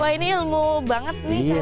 wah ini ilmu banget nih